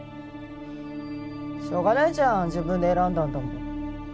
しょうがないじゃん自分で選んだんだもん。